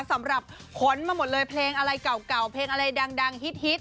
สำหรับขนมาหมดเลยเพลงอะไรเก่าเพลงอะไรดังฮิต